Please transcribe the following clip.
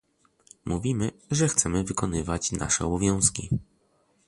Mówimy, że chcemy wykonywać nasze obowiązki